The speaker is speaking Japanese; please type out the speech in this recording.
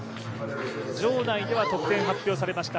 場内では得点発表されました。